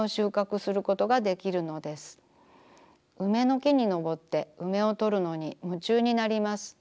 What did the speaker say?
梅の木に登って梅をとるのに夢中になります。